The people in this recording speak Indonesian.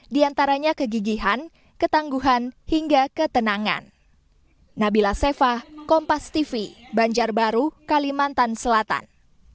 diantaranya kegigihan ketangguhan hingga ketenangan